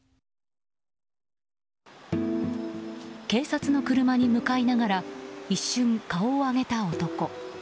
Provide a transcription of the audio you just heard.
警察の車に向かいながら一瞬顔を上げた男。